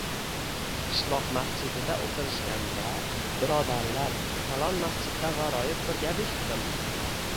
Qishloq masjidida oʻtirishganda, birodarlar, falon masjidda gʻaroyib bir gap eshitdim